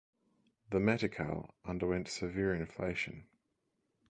The metical underwent severe inflation.